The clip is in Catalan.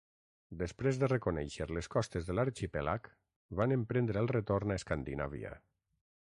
Després de reconèixer les costes de l'arxipèlag, van emprendre el retorn a Escandinàvia.